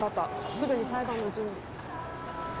すぐに裁判の準備。